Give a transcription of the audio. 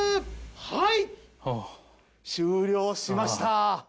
はい終了しました。